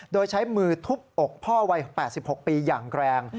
โดยใช้มือทุบอกพ่อวัย๘๖ปีอย่างแรง